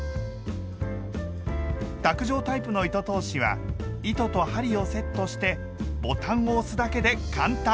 卓上タイプの糸通しは糸と針をセットしてボタンを押すだけで簡単！